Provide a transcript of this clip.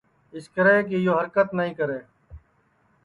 اِسکرے کہ یو ہرکت نائی کرے